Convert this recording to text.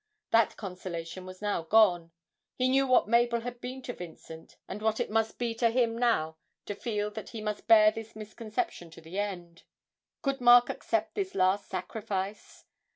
That consolation was gone now; he knew what Mabel had been to Vincent, and what it must be to him now to feel that he must bear this misconception to the end. Could Mark accept this last sacrifice?